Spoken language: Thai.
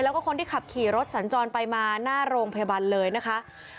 แล้วก็คนที่ขับขี่รถสัญจรไปมาหน้าโรงพยาบาลเลยนะคะ